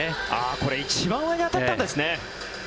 これ、一番上に当たったんですね。